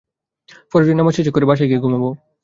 ফজরের নামাজ শেষ করে বাসায় গিয়ে ঘুমুব।